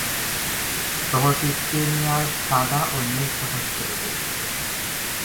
শহরটি কেনিয়ার সাদা ও নীল শহর হিসেবে পরিচিত।